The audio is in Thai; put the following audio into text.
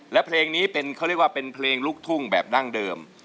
และเพลงนี้เป็นเขาเรียกว่าเป็นเพลงลูกทุ่งแบบดั้งเดิม